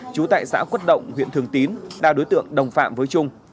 trú tại xã quất động huyện thường tín là đối tượng đồng phạm với trung